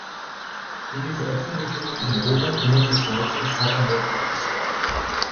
Um die Veröffentlichungen in Europa kümmert sich seitdem Southern Records.